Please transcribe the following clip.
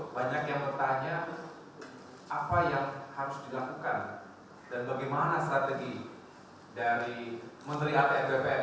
banyak yang bertanya apa yang harus dilakukan dan bagaimana strategi dari menteri atm bpn